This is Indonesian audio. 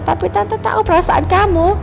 tapi tante tahu perasaan kamu